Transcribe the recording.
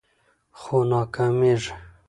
خو ناکامیږي